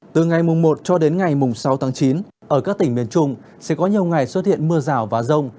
từ ngày mùng một cho đến ngày mùng sáu tháng chín ở các tỉnh miền trung sẽ có nhiều ngày xuất hiện mưa rào và rông